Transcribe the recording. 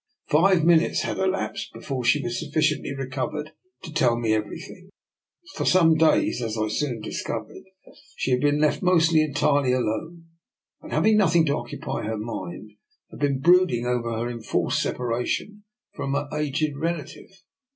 Five minutes had elapsed before she was sufficiently recovered to tell me everything. For some days, as I soon discovered, she had been left almost entirely alone, and having nothing to occupy her mind, had been brooding over her enforced separation from her aged relative.